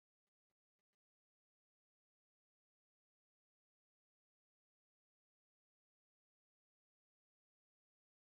Raporo ku buryo ndakuka yomekwa kuri iryo teka maze barabyohereza